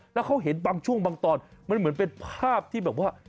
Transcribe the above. แล้วเขาเห็นบางช่วงบางตอนมันเหมือนเป็นภาพที่แบบว่า